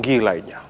di tinggi lainnya